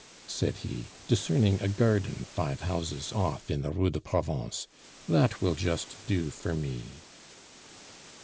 said he, discerning a garden five houses off in the Rue de Provence, "that will just do for me."